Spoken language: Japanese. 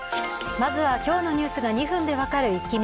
まずは今日のニュースが２分で分かるイッキ見。